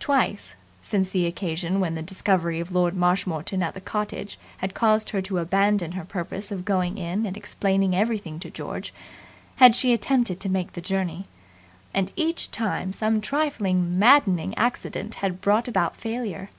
Twice, since the occasion when the discovery of Lord Marshmoreton at the cottage had caused her to abandon her purpose of going in and explaining everything to George, had she attempted to make the journey; and each time some trifling, maddening accident had brought about failure.